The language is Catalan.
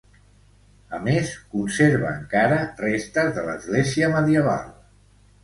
A més, conserva encara restes de l'església medieval.